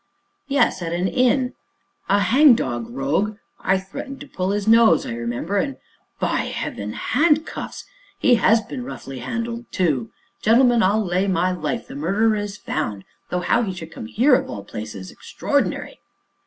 yes, at an inn a hang dog rogue I threatened to pull his nose, I remember, and by Heaven! handcuffs! He has been roughly handled, too! Gentlemen, I'll lay my life the murderer is found though how he should come here of all places extraordinary.